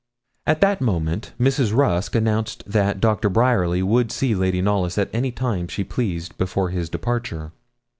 At that moment Mrs. Rusk announced that Doctor Bryerly would see Lady Knollys at any time she pleased before his departure.